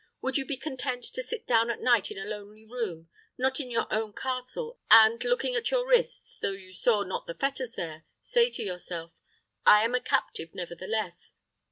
Would you be content to sit down at night in a lonely room, not in your own castle, and, looking at your wrists, though you saw not the fetters there, say to yourself, 'I am a captive, nevertheless.